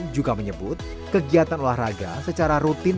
juga menyebut kegiatan olahraga secara rutin